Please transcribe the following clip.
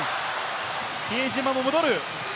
比江島も戻る。